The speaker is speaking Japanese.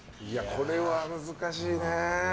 これは難しいね。